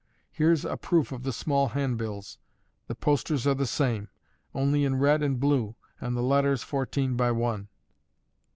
Here's a proof of the small handbills; the posters are the same, only in red and blue, and the letters fourteen by one."